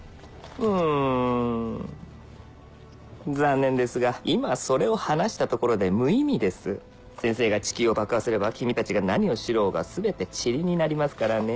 うーん残念ですが今それを話したところで無意味です先生が地球を爆破すれば君たちが何を知ろうがすべて塵になりますからね